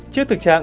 trước thực trạng